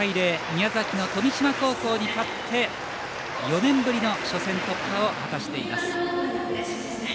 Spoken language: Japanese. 宮崎の富島高校に勝って４年ぶりの初戦突破を果たしています。